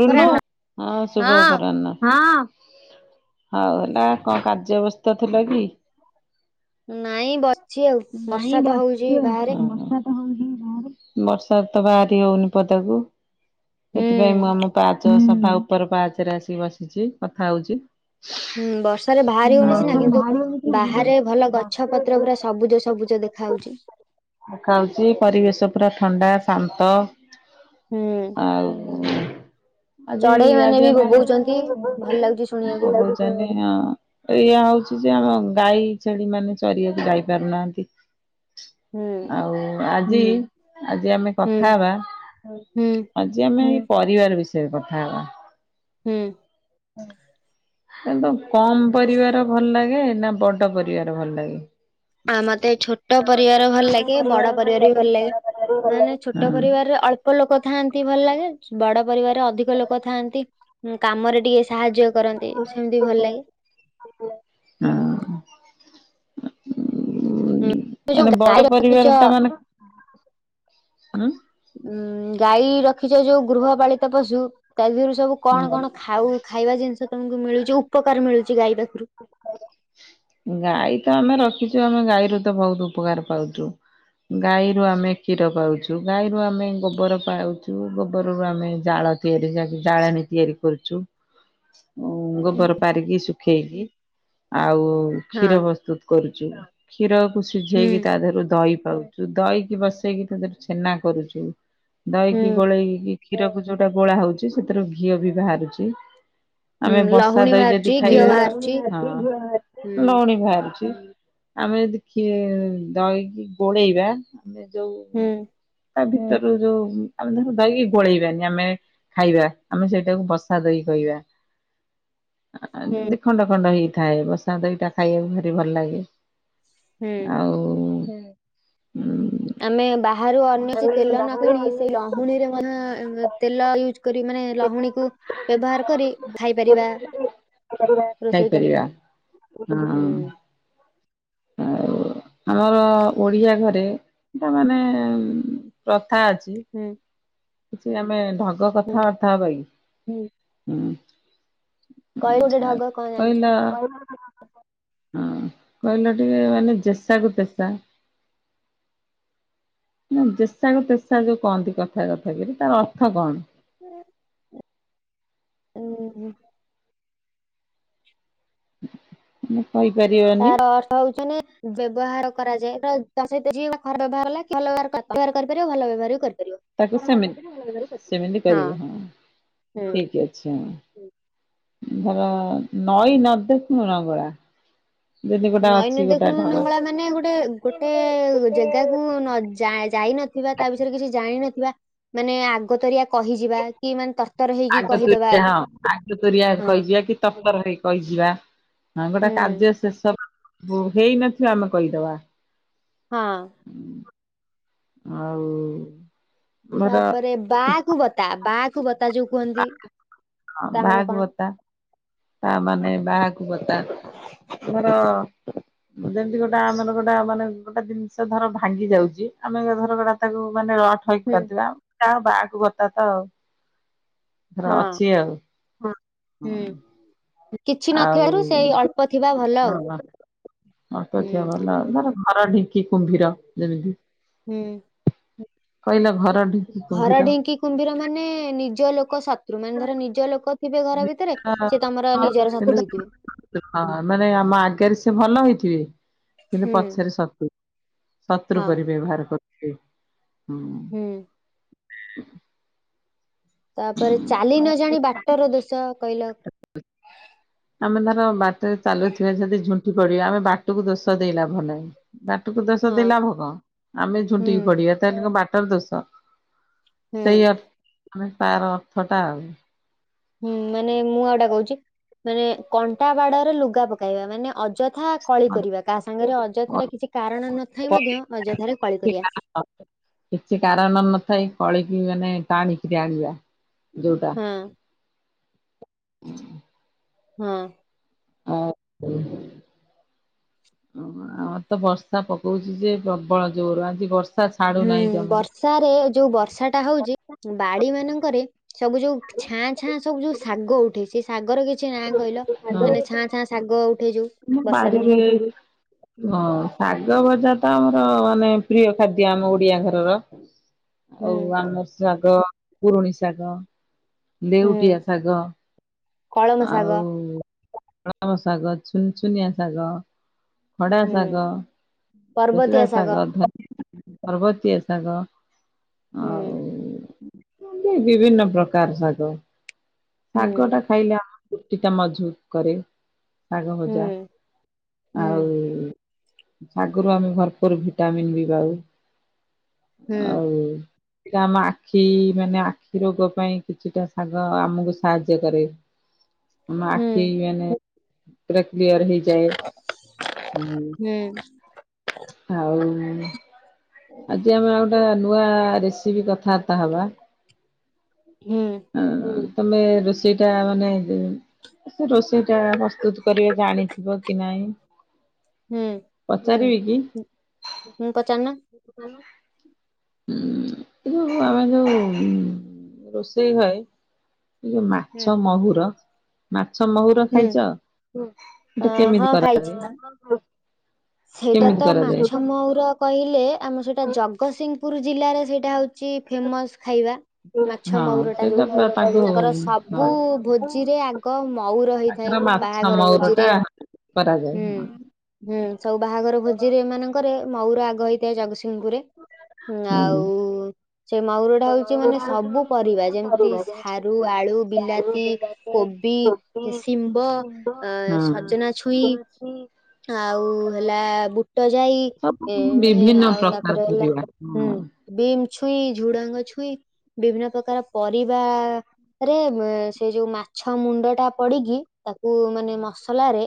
ରୁନୁ ହଁ ଶୁଭ ଅପରାହ୍ନ। ହଉ ହେଲା ଙ୍କ କାର୍ଯ୍ୟ ଅବସ୍ଥା ଥିଲା କି? ନାଇଁ ବସଚି ଆଉ ବର୍ଷା ତ ହଉଚି ବାହାରେ। ବର୍ଷାରେ ତ ବାହାରି ହଉନି ପଦାକୁ। ହୁଁ ସେଥିପାଇଁ ମୁଁ ଆମ ପାହାଚ ସୋଫା ଉପର ପାହାଚରେ ଆସିିକି ବସିଚି କଥା ହଉଚି। ହୁଁ ବର୍ଷାରେ ବାହାରି ହଉନି ନା ସିନା ସେମାନେ କିନ୍ତୁ ଭାରିବ ବାହାରେ ଭଲ ଗଛ ପତ୍ର ପୁରା [unintelligible] ସବୁଜ ସବୁଜ ଦେଖା ହାଉଛି। ଖାଉଚି ପରିବେଶ ପୁରା ଥଣ୍ଡା ଶାନ୍ତ ହୁଁ ଆଉ ଆଜି ଚଢେଇ ମାନେ ଆଜି ବି ଆମେ ବୋବଉଛନ୍ତି ଭଲ ଲାଗୁଛି ଶୁଣିବାକୁ। ବୁ ଜାନି ହଁ ଏଇଆ ହଉଚି ଯେ ଆମ ଗାଈ ଛେଳି ମାନେ ଚରିବାକୁ ଯାଇ ପାରୁନାହାନ୍ତି ହୁଁ ଆଉ ଆ ଆଜି ଆମେ ହୁଁ କଥା ହବା ଆଜି ଆମେ ପରିବାର ବିଷୟରେ କଥା ହବା। ହୁଁ। ହୁଁ। କିନ୍ତୁ କମ ପରିବାର ଭଲ ଲାଗେ ନା ବଡ ପରିବାର ଭଲ ଲାଗେ? ଆ ମତେ ଛୋଟ ପରିବାର ଭଲ ଲାଗେ। ବଡ ପରିବାର ବି ଭଲ ଲାଗେ। ମାନେ ହଁ ଛୋଟ ପରିବାର ରେ ଅଳ୍ପ ଲୋକ ଥାଆନ୍ତି ଭଲ ଲାଗେ। ବଡ ପରିବାର ଅଧିକ ଲୋକ ଥାଆନ୍ତି। ଉମ କାମରେ ଟିକେ ସ ସାହାଯ୍ୟ କରନ୍ତି। ସେମତି ବି ଭଲ ଲାଗେ। ଉମ ଯୋଉ ମାନେ ଗାଈ ବଡ ପରିବାର ରଖିଛ ଟା ମାନେ ହୁଁ ଉଁ! ଗାଈ ରଖ ଖିଛ ଯୋଉ ଗୃହପାଳିତ ପଶୁ। ତା ଦେହରୁ ସବୁ କଣ ହୁଁ କଣ ଖାଉ? ଖାଇବା ଜିନିଷ ତମକୁ ମିଳୁଛି, ଉପକାର ମିଳୁଛି ଗାଈ ପାଖରୁ। ଗାଈ ତ ଆମେ ରଖିଛୁ। ଆମେ ଗାଈରୁ ତ ବହୁତ ଉପକାର ପାଉଛୁ। ଗାଈରୁ ଆମେ କ୍ଷୀର ପାଉଛୁ। ଗାଈରୁ ଆମେ ଗୋବର ପାଉଛୁ, ଗୋବର ରୁ ଆମେ ଜାଳ ଅ ତିଆରି ଜା, ଜାଳେଣି ତିଆରି କରୁଛୁ। ଉମ ଗୋବର ପାରିକି ଶୁଖେଇକି। ଆଉ ହଁ କ୍ଷୀର ପ୍ରସ୍ତୁତ କରୁ ଛୁ। କ୍ଷୀର କୁ ହୁଁ ସିଝେଇକି ତା ଦେହରୁ ଦହି ଖାଉଛୁ। ଦହିକି ବସେଇକି ତା [unintelligible] ଛେନା କରୁଛୁ। ହୁଁ ଦହିକି ଗୋଳେଇ କି କ୍ଷୀରକୁ ଯୋଉଟା ଗୋଳା ହଉଛି ସେଥିରୁ ଘିଅ ବି ବାହାରୁଛି। ହୁଁ ଆମେ ବସା ଲହୁଣୀ ଦହି ଯଦି ବାହାରୁଛି ଘିଅ ଖାଇବା। ବାହାରୁଛି। ହଁ ହୁଁ ଲହୁଣୀ ବା ଅଛି। ଆମେ ଯଦି କ୍ଷୀ, ଦହିକି ଗୋଳେଇ ବା ଆମେ ଯଉ ହୁଁ ତା ଭିତରୁ ଯଉ ଆମେ ଧର ଦହି କି ଗୋଳେଇବାନି। ଆମେ ଖାଇବା। ଆମେ ସେଇଟାକୁ ବସା ଦହି କ କହିବା। ଆ, ହୁଁ ଯେମତି ଖଣ୍ଡ ଖଣ୍ଡ ହେଇଥାଏ। ବସା ଦହି ଟା ଖାଇବାକୁ ଭାରି ଭଲ ଲାଗେ। ହୁଁ ଆଉ ଉଁ! ଆମେ ବାହାରୁ ଅନ୍ୟ କିଛି ତେଲ ନ କିଣି, ସେଇ ଲହୁଣୀରେ ମଧ୍ୟ ଅଁ ଏମ ତେଲ ୟୁଜ୍ କରି ରି। ମାନେ ଲହୁଣୀ କୁ ବ୍ୟବହାର କରି ଖାଇ ପାରିବା। ଖାଇପାରିବା। ହୁଁ। ଆଉ! ଆମର ଓଡିଆ ଘରେ ତାମାନେ ଉମ ପ୍ର ଥା ଅଛି। ହୁଁ କିଛି ଆମେ ଢଗ ହୁଁ କଥାବାର୍ତା ହବା କି? ହୁଁ। ହୁଁ କହିଲୁ ଗୋଟେ ଆ ଢଗ କଣ ଜାଣିଛ? କହିଲା ହୁଁ! କହିଲ ଟିକେ ମାନେ ଜେସା କୁ ତେସା। [inaudible] ନା ଜେସା କୁ ତେସା ଯୋଉ କହନ୍ତି କଥା କଥା କରି, ତାର ଅର୍ଥ କଣ? ଉଁ। ଉଁହ ଉଁ! ତାର ଅର୍ଥ ହଉଛ ନେ ବ୍ୟବହାର କରାଯାଏ। କାରଣ ତା ସହିତ ଯେ ଖରାପ ବ୍ୟବହାର କଲେ ଭଲ କରିପାରିବ ଭଲ ବ୍ୟବହାର ବି କରିପା ତାକୁ ସେମି, ସେମିତି କରିବୁ ହଁ। ହୁଁ ଠିକ ଅଛି। ହଁ! ଧର ନଈ ନ ଦେଖୁଣୁ ନଙ୍ଗଳା। ଯଦି ଗୋଟା ନଈ ନ ଅଛି ଗୋଟା ଦେଖୁଣୁ ଢଳ ନଙ୍ଗଳା ମାନେ ଗୋଟେ ଗୋଟେ ଜେଗା କୁ ନ ଯା ଯାଇ ନ ଥିବା ତା ବିଷୟରେ କିଛି ଜାଣିନଥିବା ମାନେ ଆଗତରିଆ କହିଯିବା କି ମାନେ ତା ଆଗ ତୁର ହଁ! ଆଗ ତୁରିଆ ହଁ କହିଯିବା କି ତରତର ହେଇ କହିଯିବା। ହଁ! ଗୋଟେ ହୁଁ କାର୍ଯ୍ୟ ଶେଷ ହୋ ହେଇନଥିବା ଆମେ କହିଦବା। ହଁ! ଆଉ ଧର ତାପରେ ବାଆ କୁ ବତା ବା କୁ ବ ତା ଯୋଉ କୁହନ୍ତି। ତା ମାନେ ବାହାକୁ କଣ? ଭତ୍ତା ତା ମାନେ ବାଆ କୁ ବତା ଧର ଯେମିତି ଗୋଟେ ଆମର ଗୋଟେ ମାନେ ଗୋଟେ ଜିନିଷ ଧର ଭାଙ୍ଗି ଯାଉଛି ଆମେ ଧର ଗୋଟା ତାକୁ ମାନେ ହୁଁ [unintelligible] ଯାହା ହଉ ବାଆ କୁ ବତା ତ ଆଉ। ତାର ହଁ। ଅଛି ଆଉ। ହୁଁ [unintelligible] କିଛି ଆଉ ନଥିବାରୁ ସେଇ [unintelligible] ଅଳ୍ପ ଥିବା ଭଲ ଆଉ ସମସ୍ତଙ୍କ ହୁଁ ଦେହ ଭଲ। [unintelligible] ଘର ଢିଙ୍କି କୁମ୍ଭୀର ଯେମିତି। ହୁଁ। କହିଲ ଘର ଢିଙ୍କି ଘର କୁମ୍ଭୀର। ଢିଙ୍କି କୁମ୍ଭୀର ମାନେ ନିଜ ଲୋକ ଶତ୍ରୁ। ମାନେ ଧର ନିଜ ଲୋକ ଥିବେ ଘର ଭିତରେ ସେ ତମର ନିଜର ଶତ୍ରୁ ହେଇଥିବେ [unintelligible] ହଁ ମାନେ ଆମ ଆଗରେ ସେ ଭଲ ହେଇ ଥିବେ। କିନ୍ତୁ ହୁଁ ପଛରେ ଶତ୍ରୁ ଶତ୍ରୁ ହଁ ପରି ବ୍ୟବହାର କରୁଥିବେ। ହୁଁ [unintelligible] ତାପରେ ଚାଲି ନ ଜାଣି ବାଟର ଦୋଷ କହିଲ। ଆମେ ଧର ବାଟରେ ଚାଲୁଥିବା, ଯଦି ଝୁଣ୍ଟି ପଡିବା ଆମେ ବାଟକୁ ଦୋଷ ଦେଇ ଲାଭ ନାହିଁ। ବାଟକୁ ଦୋଷ ହଁ ଦେଇ ଲାଭ କଣ। ଆମେ ହୁଁ ଝୁଣ୍ଟିକି ପଡିବା ତାହେଲେ କଣ ବାଟର ଦୋଷ? ହୁଁ। ସେଇ ଅର୍ଥ ମାନେ ତାର ଅର୍ଥ ଟା ଆଉ। ହୁଁ ମାନେ ମୁଁ ଆଉଟା କହୁଚି, ମାନେ କଣ୍ଟା ବାଡରେ ଲୁଗା ପକାଇବା। ମାନେ ଅଯ ହଁ କଳି କରିବା। କାହା ସାଙ୍ଗରେ ଅଯଥାରେ କିଛି କାରଣ ନଥାଇ ମଧ୍ୟ ଅଯଥାରେ କଳି କରିବା। କିଛି କାରଣ ନଥାଇ କଳିକି ମାନେ ଟାଣିକିରି ଆଣିବା। ଯୋଉଟା ହୁଁ। [inaudible] ହଁ। [unintelligible] ଆମର ତ ବର୍ଷା ପକଉଛିି ଯେ ପ୍ରବଳ ଜୋର ଆଜି ବର୍ ହୁଁ ବର୍ଷାରେ ଯୋଉ ବର୍ଷା ଟା ହଉଛି, ବାଡି ମାନଙ୍କରେ ସବୁ ଯୋଉ ଛାଁ ଛାଁ ସବୁ ଯୋଉ ଶାଗ ଉଠେ। ସେ ଶାଗର କି କିଛି ନାଁ କହିଲ। ଆମ ମାନେ ଛାଁ ଛାଁ ଶାଗ ଉଠେ ଯୋଉ। [unintelligible] ବର୍ଷା ଦିନେ ହଁ ଶାଗ ଭ ତ ଆମର ମାନେ ପ୍ରିୟ ଖାଦ୍ୟ ଆମ ଓଡିଆ ଘରର। ହୁଁ ଆଉ ଆମର୍ ଶାଗ ପୁରୁଣୀ ଶାଗ। ହୁଁ ଲେଉଟିଆ ଶାଗ କଳମ ଆଉ ଶାଗ କଳମ ଶାଗ। ସୁନ୍ସୁନିଆ ଶାଗ। ଖଡା ହୁଁ ଶାଗ, ସୁଜୁନା ଶାଗ ଧ ପର୍ବତୀଆ ଶାଗ ହୁଁ ଆଉ ଏମିତି ବିଭିନ୍ନ ପ୍ରକାର ଶାଗ। ହୁଁ ଶାଗ ଟା ଖାଇଲେ ଆମ ଚୁଟି ଟା ମଜବୁତ୍ କରେ ଶାଗ ହୁଁ ଭଜା। ହୁଁ ଆଉ ଶାଗ ରୁ ଆମେ ଭରପୁର ଭିଟାମନ୍ ବି ପାଉ। ହୁଁ ଆଉ ସେଟା ଆମ ଆଖି ମାନେ ଆଖି ରୋଗ ପାଇଁ କିଛିଟା ଶାଗ ଆମକୁ ସାହାଯ୍ୟ କରେ। [inaudible] ଆମ ହୁଁ ଆଖି ମାନେ ପୁରା କ୍ଲିୟର ହେଇଯାଏ। ହୁଁ ଆଉ ଆଜି ଆମେ ଆଉ ଟା ନୂଆ ରେସିପି କଥାବାର୍ତ୍ତା ହବା। ହୁଁ ଆଁ ତମେ ରୋଷେଇ ଟା ମାନେ ରୋଷେଇ ଟା ପ୍ରସ୍ତୁତ କରିବା ଜାଣିଥିବ କି ନାଇଁ। ହୁଁ ପଚାରିବି। ହୁଁ ପଚାରୁନ। [unintelligible] ଉଁ ଏ ଆମ ଯୋଉ ରୋଷେଇ ଘରେ ଏ ଯୋଉ ହୁଁ ମାଛ ମହୁର ମା ମାଛ ମହୁର ହୁଁ ଖାଇଚ? ଅ, ହେଟା କେମିତି ହଁ କରାଯାଏ? ଖାଇଛି। ସେଇଟା କେମିତି ତ କରାଯାଏ? ମାଛ ମହୁର କହିଲେ, ଆମର ସେଇଟା ଜଗତସିଂହପୁର ଜିଲ୍ଲାରେ ସେଇଟା ହଉ ଛି ଫେମସ୍ ଖାଇବା। ମାଛ ହଁ ମହୁର ଟା ଯୋଉ, ସେଇଟା ପୁରା ତାକୁ ତାଙ୍କର ସବୁ ହଁ ଭୋଜିରେ ଆଗ ମହୁର ତାଙ୍କର ହେଇଥାଏ। ମାଛ ବାହାଘର ମହୁର ଟା ଭୋଜିରେ କରାଯାଏ ହୁଁ ହଁ। ହୁଁ ସବୁ ବାହାଘର ଭୋଜିରେ, ଏମାନଙ୍କର ମହୁର ଆଗ ହେଇଥାଏ। ଜଗତସିଂ ସିଂହପୁରେ ହୁଁ ଆଉ ସେ ମହୁର ଟା ହଉଛି ମାନେ ସବୁ ପରିବା ଯେମିତି ସାରୁ, ଆଳୁ, ବିଲାତି, କୋବି ଶିମ୍ବ, ହଁ। ସଜନା ଛୁଇଁ ଆଉ ହେଲା ବୁଟ ଯାଇ, ସବୁ ମାନେ ବିଭିନ୍ନ ଆଉ ପ୍ରକାର ତାପରେ ହେଲା ପରିବା ହୁଁ ହଁ ବିମ୍ ଛୁଇଁ, ଝୁଡଙ୍ଗ ଛୁଇଁ, ବିଭିନ୍ନ ପ୍ରକାର ପରିବା ରେ ସେ ଯୋଉ ମାଛ ମୁଣ୍ଡ ଟା ପଡିକି, ତାକୁ ମାନେ ମସ ଲାରେ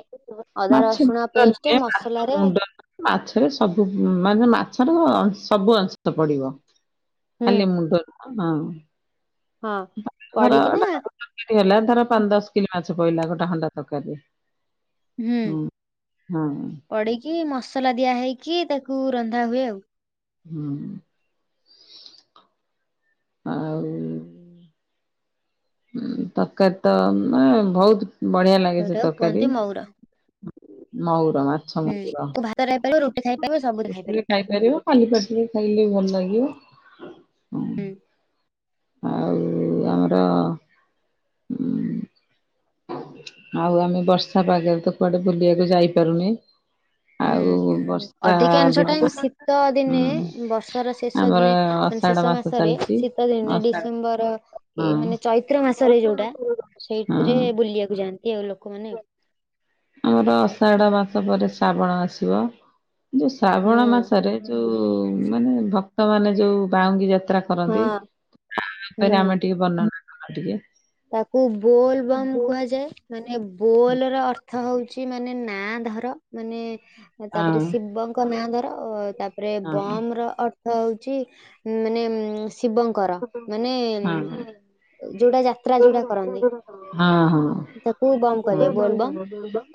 ଅଦା ମାଛ ରସୁଣ ମୁଣ୍ଡ ପେଷ୍ଟ ନୁହେଁ ମସ ମାଛ ମୁଣ୍ଡ ମାଛରେ ସବୁ, ମାନେ ମାଛର ସବୁ ଅଂଶ ପଡିବ। ହୁଁ ଖାଲି ମୁଣ୍ଡ ନୁହଁ ହଁ। ହଁ ଧର ଗୋଟେ ମାଛ ପଡିକିନା ତରକାରି ହେଲା ଧର ପାଞ୍ଚ ଦଶ କିଲୋ ମା ମାଛ ପଇଲା ଗୋଟା ଖଣ୍ଡା ତରକାରୀରେ। ହୁଁ ହଁ ପଡିକି ମସଲା ଦିଆ ହେଇକି, ତାକୁ ରନ୍ଧା ହୁଏ ଆଉ। ହୁଁ। ଆଉ। ତରକାରୀ ତ ମ ବହୁତ ବଢିଆ ଲାଗେ ସେ ସେଇଟାକୁ ତରକାରୀ। କୁହନ୍ତି ମଉର ମହୁର ମାଛା ହୁଁ ମହୁର ତାକୁ ଭାତ ଖାଇପାରିବ ରୁଟି ଖାଇପାରିବ ସବୁରେ [unintelligible] ଖାଇପାରିବ କାଲି ପାଟିରେ ଖାଇଲେ ଭଲ ଲାଗିବ। ହଁ। ହୁଁ। ଆଉ ଆମର ଉଁ ଆଉ ଆମେ ବର୍ଷା ପାଗରେ ତ କୁଆଡେ ବୁଲିବାକୁ ଯାଇପାରୁନେ? ଆଉ ହୁଁ ବର୍ଷ ଅଧିକାଂଶ ଟାଇମ ଶୀତ ଦିନେ, ବର୍ଷର ଶେଷ ଆମର ଦିନେ ମାନେ ଆଷାଢ ଶେଷ ମାସ ମାସରେ ଚାଲିଛି ଶୀ ତ ଦିନେ ଆଷାଢ ଡିସେମ୍ବର କି ହଁ ମାନେ ଚୈତ୍ର ମାସରେ ଯୋଉଟା, ହଁ ସେଇଥିରେ ବୁଲିବାକୁ ଯାଆନ୍ତି। କିଏ ଆଉ ଲୋକମାନେ ଆଉ। ଆମର ଅଷାଢ ମାସ ପରେ ଶ୍ରାବଣ ଆସିବ। ଯୋଉ ଶ୍ରାବଣ ହୁଁ ମାସରେ, ଯୋଉ ମାନେ ଭକ୍ତ ମାନେ ଯୋଉ ବାଉଙ୍ଗୀ ଯାତ ଯାତ୍ରା କରନ୍ତି, ହଁ ତା ଉପରେ ହୁଁ ଆମେ ଟିକେ ବର୍ଣ୍ଣନା କଲେ ଟିକେ ତାକୁ ବୋଲ ବମ୍ କୁହାଯାଏ। ମାନେ ବୋଲ ର ଅର୍ଥ ଅର୍ଥ ହଉଛି ମାନେ ନାଁ ଧର, ମାନେ ତାପରେ ହଁ ଶିବଙ୍କ ନାଁ ଧର। ତାପରେ ହଁ ବମ ର ଅର୍ଥ ହଉଛି ମାନେ ଶିବଙ୍କର ମାନେ ହଁ ଯୋଉଟା ଯା ହଁ - ହଁ। ତାକୁ ବମ୍ କୁହାଯାଏ। ବୋଲବମ୍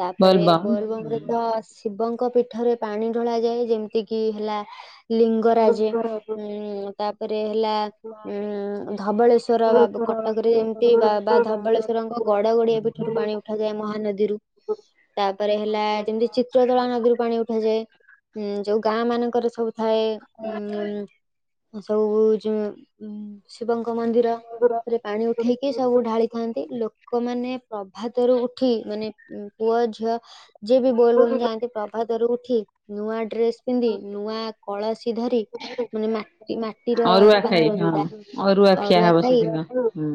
ତାପରେ ବୋଲବମ୍ ବୋଲବମରେ ତ ଶିବଙ୍କ ପିଠରେ ପାଣି ଢଳା ଯାଏ, ଯେମିତି କିି ହେଲା ଲିଙ୍ଗରାଜ, ଉ ତାପରେ ହେଲା ଉ ଧବଳେଶ୍ୱର ବାବ କଟକରେ ଯେମିତି ବା ବା ଧବଳେଶ୍ଵରଙ୍କ, ଗଡ ଗଡିଆ ବି ଠାରୁ ପାଣି ଉଠାଯାଏ ମହାନଦୀରୁ। ତାପରେ ହେଲା ଯେମିତି ଚିତ୍ରତୋଳା ନଦୀରୁ ପାଣି ଉଠାଯାଏ। ଯୋଉ ଗାଁ ମାନଙ୍କର ସବୁ ଥାଏ, ଉଁ ସବୁ ଯ ଶିବଙ୍କ ମନ୍ଦିରରେ ପାଣି ଉ କି ସବୁ ଢାଳିଥାନ୍ତି। ଲୋକମାନେ ପ୍ରଭାତରୁ ଉ ଉଠି ମାନେ ପୁଅ ଝିଅ ଯିଏ ବି ବୋଲ ବମ୍ ଯାଆନ୍ତି, ପ୍ରଭାତରୁ ଉ ଠି ନୂଆ ଡ୍ରେସ ପିନ୍ଧି, ନୂଆ କଳସୀ ଧରି ମାନେ ମାଟି ମାଟିର ଅରୁଆ ଖାଇ ପାତ୍ର ହଁ ଯୋଉଟା, ଖିଆ ଅରୁଆ ହବ ଖାଇ ସେଦିନ ହୁଁ।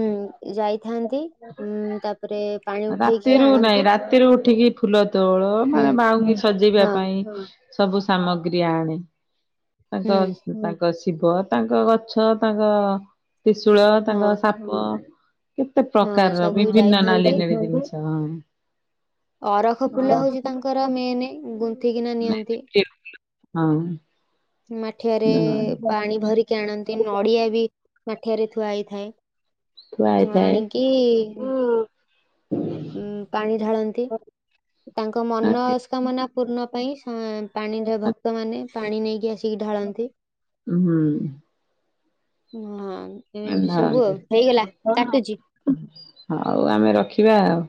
ହୁଁ ଯାଇଥାନ୍ତିଁ, ଉଁ ତାପରେ ପାଣି ଉଠେଇକି ରାତିରୁ ନାଇଁ ଆଣନ୍ତି ରାତିରୁ ଉଠିକି ଫୁଲ ତୋଳ ହୁଁ ମାନେ ବାହୁଙ୍ଗି ସଜେଇବା ହଁ ପାଇଁ। ସବୁ ସାମଗ୍ରୀ ଆଣେ ହୁଁ ତାଙ୍କସ୍ ତାଙ୍କସ୍ ଶିବ ତାଙ୍କ ଗଛ ତାଙ୍କ ତ୍ରିଶୂଳ ହଁ ତାଙ୍କର ସାପ। କେତେ ହଁ ପ୍ରକାରର ସବୁ ବିଭିନ୍ନ ନାଲି ଯାଇଥାନ୍ତି ଗଛ ମଂ ଅରଖ ଫୁଲ ହଉଛି ତାଙ୍କର ମେନେ ଗୁନ୍ଥିକିନା ନିଅନ୍ତି। ହଁ। ମାଠିଆରେ ପାଣି ଭରିକି ଆଣନ୍ତି ନଡିଆ ବି ମାଠିଆରେ ଥୁଆ ହେଇଥାଏ। ଥୁଆ ଉଁ ହେଇଥାଏ। ଆଣିକି ଉଁ ପାଣି ଢାଳନ୍ତି ତାଙ୍କ ମନସ୍କାମନା ପୂର୍ଣ୍ଣ ପାଇଁ ହଁ ପାଣିରେ ଭକ୍ତମାନେ ପାଣି ନେଇକି ଆସ ଉଁ ହୁଁ। ମହାନ୍ ଏ ନାହାନ୍ତି କାଟୁଚି। ହଉ ଆମେ ରଖିବା ଆଉ।